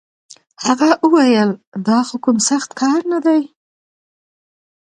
هغه وويل دا خو کوم سخت کار نه دی.